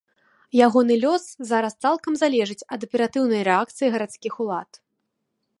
Ягоны лёс зараз цалкам залежыць ад аператыўнай рэакцыі гарадскіх улад.